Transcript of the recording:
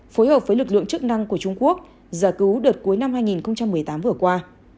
phối hợp với lực lượng chức năng của trung quốc giải cứu đợt cuối năm hai nghìn một mươi tám vừa qua